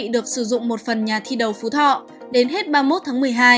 được sử dụng một phần nhà thi đầu phú thọ đến hết ba mươi một tháng một mươi hai